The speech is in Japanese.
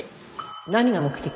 何が目的？